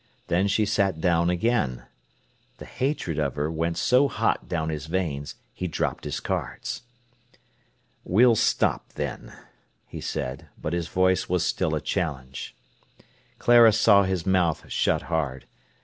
Then she sat down again. The hatred of her went so hot down his veins, he dropped his cards. "We'll stop, then," he said, but his voice was still a challenge. Clara saw his mouth shut hard.